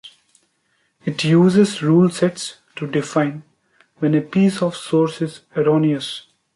It uses rule-sets to define when a piece of source is erroneous.